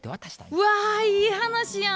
うわいい話やん！